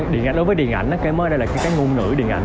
đối với điện ảnh cái mơ đây là cái nguồn nữ điện ảnh